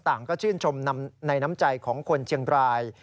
ต่างก็ชื่นชมในน้ำใจของคนเชียงราย